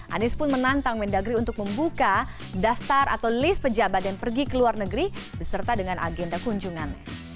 anies pun menantang mendagri untuk membuka daftar atau list pejabat dan pergi ke luar negeri beserta dengan agenda kunjungannya